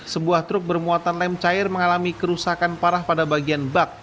sebuah truk bermuatan lem cair mengalami kerusakan parah pada bagian bak